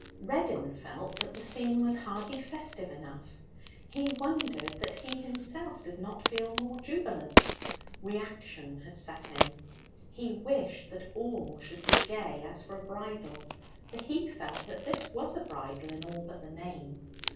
Reddin felt that the scene was hardly festive enough. He wondered that he himself did not feel more jubilant; reaction had set in. He wished that all should be gay as for a bridal, for he felt that this was a bridal in all but the name.